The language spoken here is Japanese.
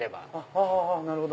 あなるほど！